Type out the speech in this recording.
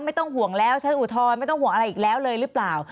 ไม่ต้องห่วงแล้วฉันอุทธรณไม่ต้องห่วงอะไรอีกแล้วเลยหรือเปล่า